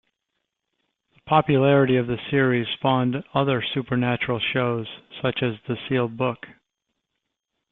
The popularity of the series spawned other supernatural shows, such as "The Sealed Book".